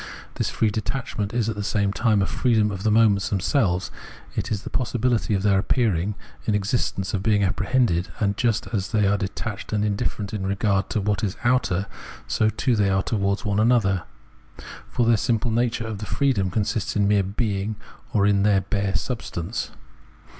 This free detachment is at the same time a freedom of the moments themselves ; it is the possibility of their appearing in existence and of being apprehended ; and just as they are detached and indifferent in regard to what is outer, so too are they towards one another, for the simple nature of this freedom consists in mere being or in their bare substance.